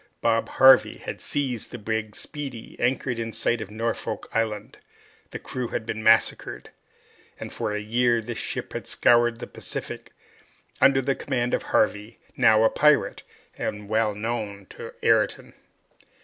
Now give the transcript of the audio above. Bob Harvey had seized the brig "Speedy," anchored in sight of Norfolk Island; the crew had been massacred; and for a year this ship had scoured the Pacific, under the command of Harvey, now a pirate, and well known to Ayrton!